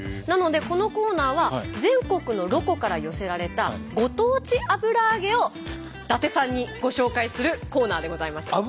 なのでこのコーナーは全国のロコから寄せられたご当地油揚げを伊達さんにご紹介するコーナーでございます。